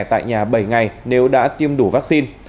tại nhà bảy ngày nếu đã tiêm đủ vaccine